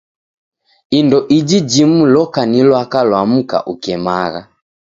Indo iji jimu loka ni lwaka lwa mka ukemagha.